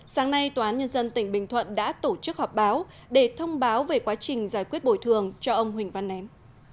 sáng nay tòa án nhân dân tỉnh bình thuận đã tổ chức họp báo để thông báo về quá trình giải quyết bồi thường cho ông huỳnh văn ném